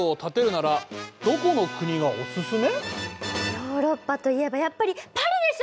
ヨーロッパといえばやっぱりパリでしょ！